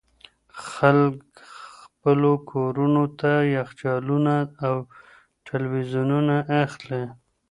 خلګ خپلو کورونو ته يخچالونه او ټلوېزيونونه اخلي.